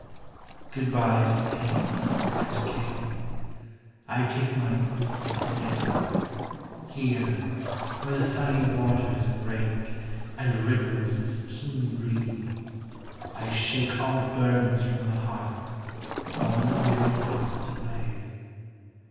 Good bye to pain and care! I take Mine ease to day ; Bere, where the sunny waters break, And ripples this keen breeze, T shake All burdens from the heart, all weary thoughts away.